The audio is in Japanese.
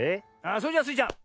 それじゃあスイちゃん